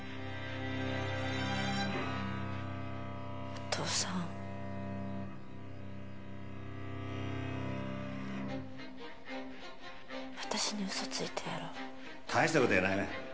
お父さん私に嘘ついたやろ大したことやないわ